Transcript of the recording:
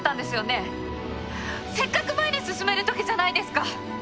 せっかく前に進めるときじゃないですか。